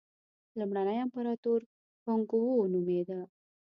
لومړنی امپراتور هونګ وو نومېده.